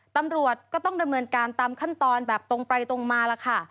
ตำรวจก็ต้องดำเนินการตามขั้นตอนแบบตรงไปตรงมาล่ะค่ะ